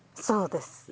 そうです。